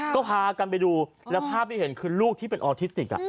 ก็พากันไปดูแล้วภาพที่เห็นคือลูกที่เป็นออทิสติก